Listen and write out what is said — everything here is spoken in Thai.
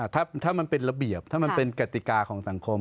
ถ้ามันเป็นระเบียบถ้ามันเป็นกติกาของสังคม